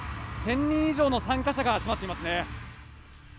１０００人以上の参加者が集まっていますね。